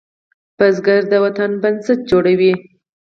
بزګر د وطن بنسټ جوړوي